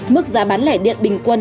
mức giá bán lẻ điện bình quân